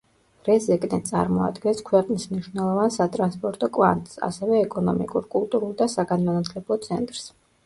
რეზეკნე წარმოადგენს ქვეყნის მნიშვნელოვან სატრანსპორტო კვანძს, ასევე ეკონომიკურ, კულტურულ და საგანმანათლებლო ცენტრს.